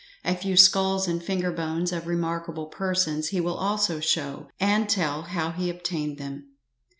A few skulls and finger bones of remarkable persons he will also show, and tell how he obtained them.